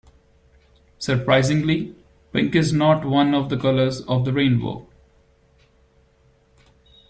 Surprisingly, pink is not one of the colours of the rainbow.